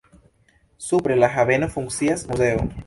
Supre la haveno funkcias muzeo.